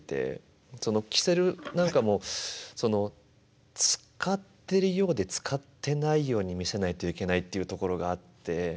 きせるなんかも使ってるようで使ってないように見せないといけないっていうところがあって。